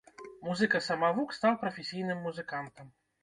Музыка-самавук стаў прафесійным музыкантам.